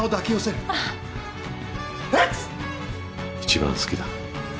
一番好きだ。